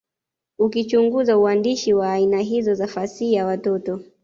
ukichunguza uandishi wa aina hizo za fasihi ya watoto